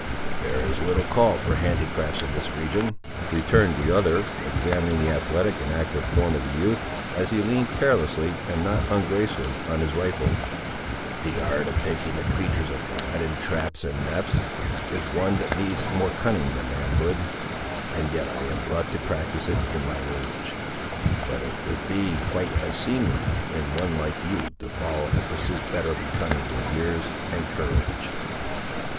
"There is little call for handicrafts in this region," returned the other, examining the athletic and active form of the youth, as he leaned carelessly and not ungracefully, on his rifle; "the art of taking the creatur's of God, in traps and nets, is one that needs more cunning than manhood; and yet am I brought to practise it, in my age! But it would be quite as seemly, in one like you, to follow a pursuit better becoming your years and courage."